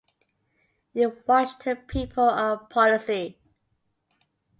In Washington people are policy.